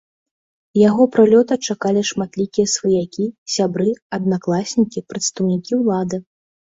Яго прылёта чакалі шматлікія сваякі, сябры, аднакласнікі, прадстаўнікі ўлады.